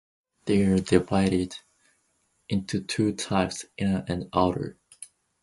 They are divided into two types: inner and outer.